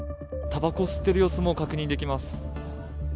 たばこを吸っている様子も確認できます。